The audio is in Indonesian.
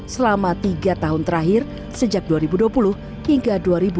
selama tiga tahun terakhir sejak dua ribu dua puluh hingga dua ribu dua puluh